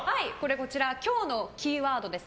こちら、今日のキーワードです。